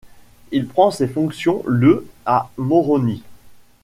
Il prend ses fonctions le à Moroni.